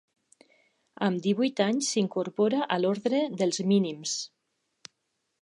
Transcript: Amb divuit anys s'incorpora a l'Orde dels Mínims.